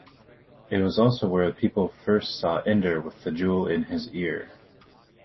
It was also where people first saw Ender with the jewel in his ear.